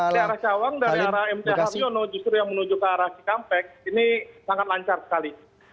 dari arah cawang dari arah mc haryono justru yang menuju ke arah cikampek ini sangat lancar sekali